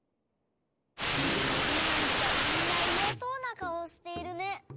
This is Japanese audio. なんかみんないやそうなかおしているね。